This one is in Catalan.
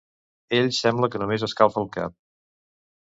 Ell sembla que només escalfa el cap.